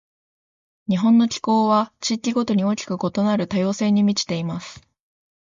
日本の気候は、地域ごとに大きく異なる多様性に満ちています。